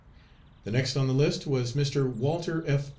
The next on the list was Mr. Walter F.